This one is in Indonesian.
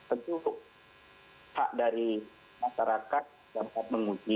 tentu hak dari masyarakat dapat menguji